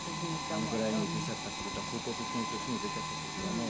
あのぐらいに出ちゃったって事は高校卒業してすぐ出ちゃったって事はね。